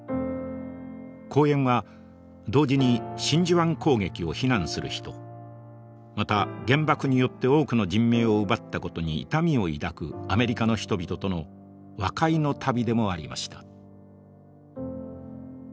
講演は同時に真珠湾攻撃を非難する人また原爆によって多くの人命を奪った事に痛みを抱くアメリカの人々との和解の旅でもありました。